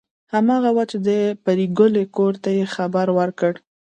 هماغه وه چې د پريګلې کور ته یې خبر ورکړ